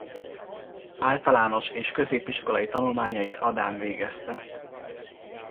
Általános és középiskolai tanulmányait Adán végezte.